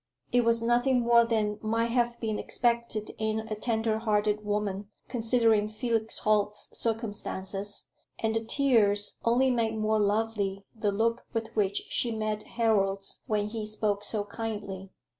It was nothing more than might have been expected in a tender hearted woman, considering Felix Holt's circumstances, and the tears only made more lovely the look with which she met Harold's when he spoke so kindly.